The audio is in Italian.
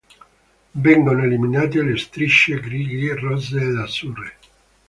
Vengono eliminate le strisce grigie, rosse ed azzurre.